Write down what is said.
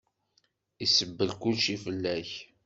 Isebbel kulci fell-ak.